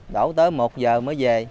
đổ tới một h mới về